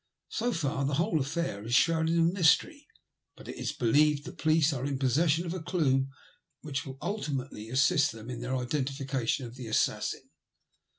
So far the whole afiair is shrouded in mystery, but, it is believed, the police are in possession of a clue which will ultimately assist them in their identification of the assassin.